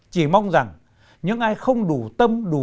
chỉ mong rằng những ai không đủ tâm đủ tầm đủ tài